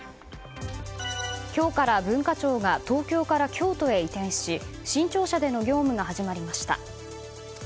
今日から文化庁が東京から京都へ移転し新庁舎での業務が始まりました。